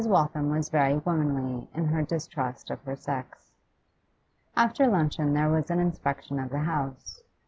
Waltham was very womanly in her distrust of her sex. After luncheon there was an inspection of the house.